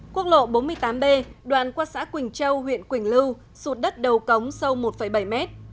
quốc lộ bốn mươi tám b đoạn qua xã quỳnh châu huyện quỳnh lưu sụt đất đầu cống sâu một bảy mét